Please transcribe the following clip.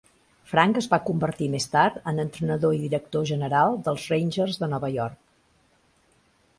Frank es va convertir més tard en entrenador i director general dels Rangers de Nova York.